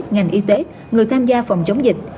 ngành y tế người tham gia phòng chống dịch